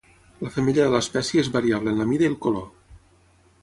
La femella de l'espècie és variable en la mida i el color.